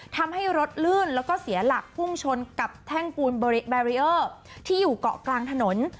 ทำให้รถลื่นแล้วก็เสียหลักพุ่งชนกับแท่งปูนแบรีเออร์ที่อยู่เกาะกลางถนน